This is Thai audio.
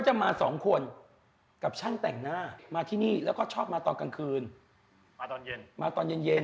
จะมาชั้นแท่งหน้ามาที่นี่นะก็กลางเมืองชอบมาตอนกลางคืนมาตอนเย็นเขามากำลังกดเง็น